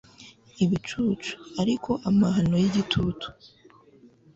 Ibicucu ariko amahano yigitutu